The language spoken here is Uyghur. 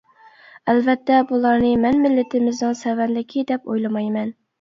ئەلۋەتتە بۇلارنى مەن مىللىتىمىزنىڭ سەۋەنلىكى دەپ ئويلىمايمەن.